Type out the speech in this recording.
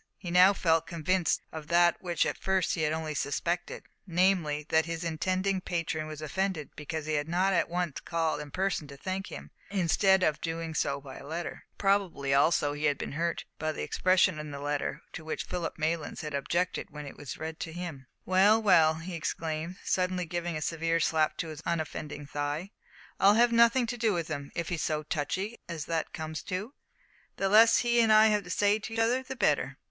He now felt convinced of that which at first he had only suspected namely, that his intending patron was offended because he had not at once called in person to thank him, instead of doing so by letter. Probably, also, he had been hurt by the expressions in the letter to which Philip Maylands had objected when it was read to him. "Well, well," he exclaimed, suddenly giving a severe slap to his unoffending thigh, "I'll have nothing to do with him. If he's so touchy as that comes to, the less that he and I have to say to each other the better."